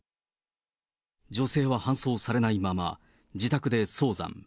女性は搬送されないまま、自宅で早産。